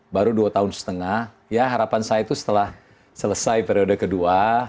baru dua tahun setengah ya harapan saya itu setelah selesai periode kedua